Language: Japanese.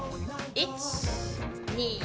１２。